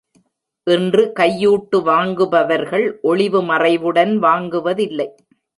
இன்று கையூட்டு வாங்குபவர்கள் ஒளிவு மறைவுடன் வாங்குவதில்லை.